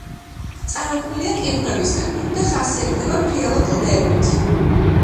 წარმოქმნილია კირქვებისაგან და ხასიათდება ფრიალო კლდეებით.